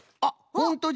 ほんとだ。